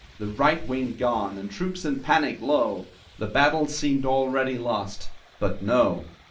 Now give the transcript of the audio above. The "right wing" gone, and troops in panic, lo! The battle seemed already lost. But, No.